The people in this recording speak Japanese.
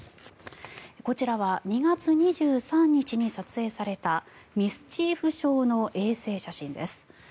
こちらは２月２３日に撮影されたミスチーフ礁の衛星写真です。